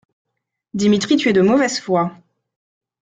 Dimitri, tu es de mauvaise foi!